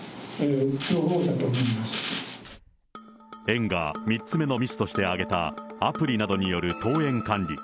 園が３つ目のミスとして挙げたアプリなどによる登園管理。